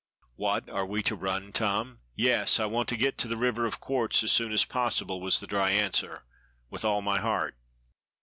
"What, are we to run, Tom?" "Yes! I want to get to the river of quartz as soon as possible," was the dry answer. "With all my heart."